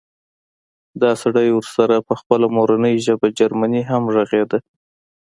دا سړی ورسره په خپله مورنۍ ژبه جرمني هم غږېده